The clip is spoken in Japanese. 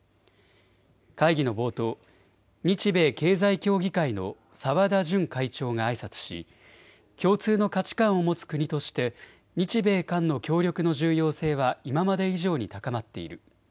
会議の冒頭、日米経済協議会の澤田純会長があいさつし共通の価値観を持つ国として日米間の協力の重要性は今まで以上に高まっている。